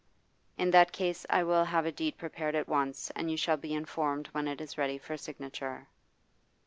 'In that case I will have a deed prepared at once, and you shall be informed when it is ready for signature.